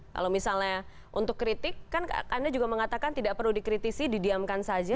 kalau misalnya untuk kritik kan anda juga mengatakan tidak perlu dikritisi didiamkan saja